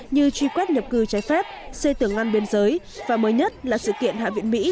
như truy quét nhập cư trái phép xây tưởng ngăn biên giới và mới nhất là sự kiện hạ viện mỹ